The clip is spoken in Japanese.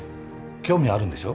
興味あるんでしょ？